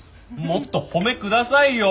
もっと「褒め」くださいよ。